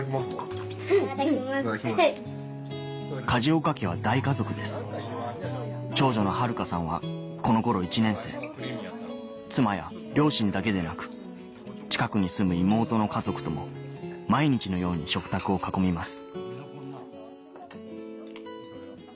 梶岡家は大家族です長女の春花さんはこの頃１年生妻や両親だけでなく近くに住む妹の家族とも毎日のように食卓を囲みます